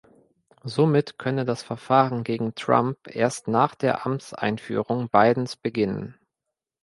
Somit könne das Verfahren gegen Trump erst nach der Amtseinführung Bidens beginnen.